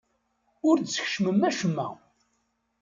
Ur d-teskecmem acemma.